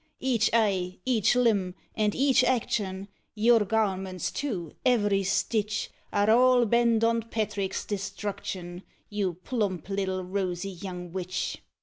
Each eye, each limb, and each action, Your garments, too, every stitch Are all bent on Patrick's destruction, You plump little rosy young witch!